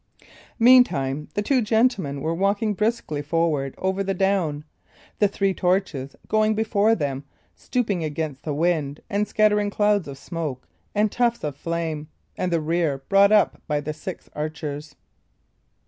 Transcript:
Meantime the two gentlemen were walking briskly forward over the down; the three torches going before them, stooping against the wind and scattering clouds of smoke and tufts of flame, and the rear brought up by the six archers.